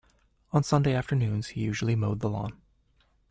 On Sunday afternoons he usually mowed the lawn.